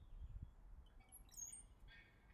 Ni mia mbili ishirini na tisa ambazo zinahusika na makundi